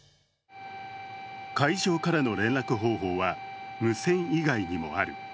海上からの連絡方法は無線以外にもある。